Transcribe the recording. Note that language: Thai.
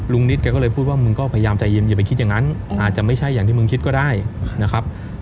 นิดแกก็เลยพูดว่ามึงก็พยายามใจเย็นอย่าไปคิดอย่างนั้นอาจจะไม่ใช่อย่างที่มึงคิดก็ได้นะครับ